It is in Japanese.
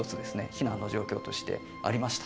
避難の状況としてありました。